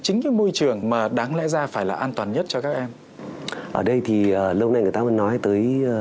chính cái môi trường mà đáng lẽ ra phải là an toàn nhất cho các em ở đây thì lâu nay người ta mới nói tới